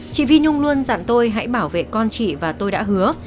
chị vi nhung luôn dặn tôi hãy bảo vệ con chị và tôi đã hứa